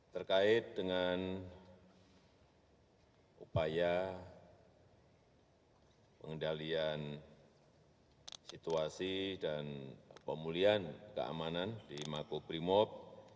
terkait dengan upaya pengendalian situasi dan pemulihan keamanan di makobrimob